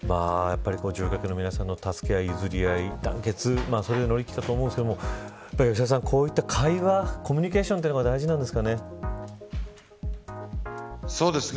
乗客の皆さんの助け合い譲り合い団結、それで乗り切ったと思うんですけど吉田さん、こういった会話コミュニケーションがそうですね。